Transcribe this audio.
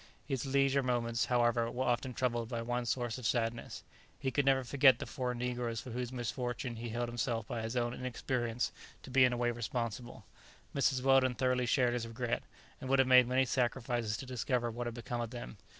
His leisure moments, however, were often troubled by one source of sadness; he could never forget the four negroes for whose misfortunes he held himself by his own inexperience to be in a way responsible. Mrs. Weldon thoroughly shared his regret, and would have made many sacrifices to discover what had become of them.